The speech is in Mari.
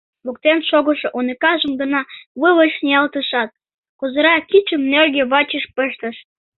Воктен шогышо уныкажым гына вуй гыч ниялтышат, козыра кидшым нӧргӧ вачыш пыштыш.